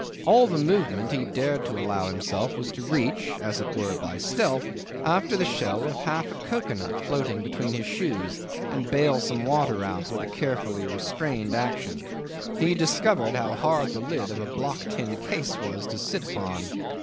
All the movement he dared to allow himself was to reach, as it were by stealth, after the shell of half a cocoa nut floating between his shoes, and bale some of the water out with a carefully restrained action. He discovered how hard the lid of a block tin case was to sit upon.